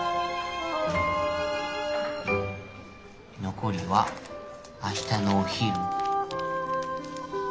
残りは明日のお昼に。